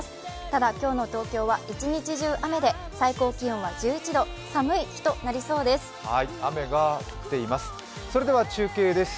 ただ今日の東京は一日中雨で、最高気温は１１度、寒い日となりそうです。